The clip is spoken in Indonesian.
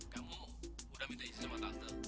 kamu udah minta izin sama tante